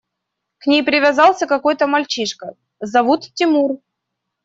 К ней привязался какой-то мальчишка, зовут Тимур.